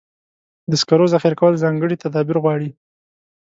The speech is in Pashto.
د سکرو ذخیره کول ځانګړي تدابیر غواړي.